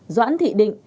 tám doãn thị định